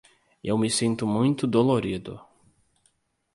Eu me sinto muito dolorido.